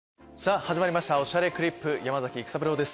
始まりました『おしゃれクリップ』山崎育三郎です。